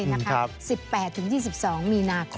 ๑๘๒๒มีนาคม